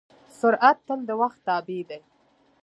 سرعت تل د وخت تابع دی.